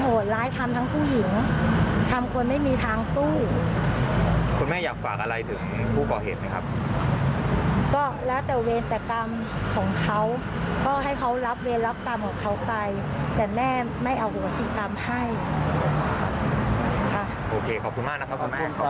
โอเคขอบคุณมากนะครับคุณแม่ขอบคุณครับ